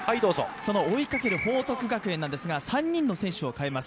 追いかける報徳学園なんですが、３人の選手を代えます。